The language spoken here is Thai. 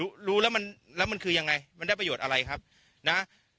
รู้รู้แล้วมันแล้วมันคือยังไงมันได้ประโยชน์อะไรครับนะ